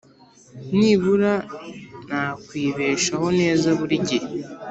nibura nakwibeshaho neza burigihe